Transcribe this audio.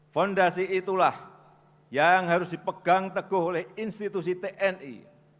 fondasi itulah yang harus dipegang teguh oleh institusi tni